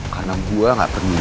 karena gue ga peduli